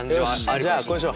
じゃあこれにしよう！